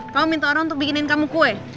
kamu minta orang untuk bikinin kamu kue